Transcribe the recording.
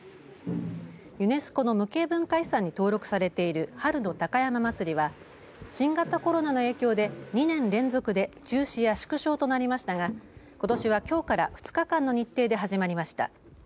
ユネスコの無形文化遺産に登録されている春の高山祭は新型コロナの影響で２年連続で中止や縮小となりましたがことしはきょうから２日間の日程で始まりました。